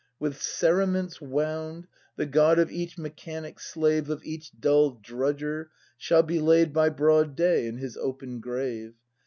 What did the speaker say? With cerements wound The God of each mechanic slave. Of each dull drudger, shall be laid By broad day in his open grave.